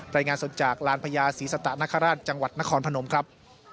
รายงานสดจากลานพญาศรีสตะนคราชจังหวัดนครพนมครับ